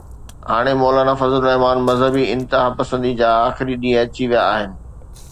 هاڻي مولانا فضل الرحمان مذهبي انتهاپسندي جا آخري ڏينهن اچي ويا آهن